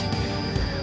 aku harus bisa menembus